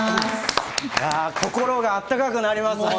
心があったかくなります。